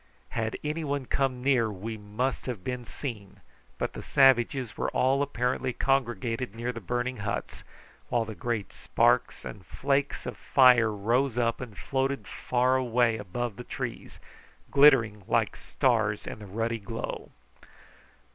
Had anyone come near we must have been seen, but the savages were all apparently congregated near the burning huts, while the great sparks and flakes of fire rose up and floated far away above the trees, glittering like stars in the ruddy glow.